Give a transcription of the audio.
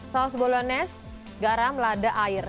saus bolines garam lada air